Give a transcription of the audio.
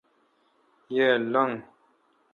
یہ۔ لنگ